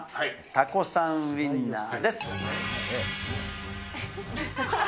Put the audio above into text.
タコさんウインナーです。